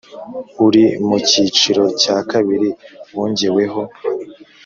uri mu cyiciro cya kabiri wongeweho